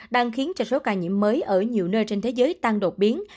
đang khiến cho số ca nhiễm mới ở nhiều nơi trên thế giới tăng đột biến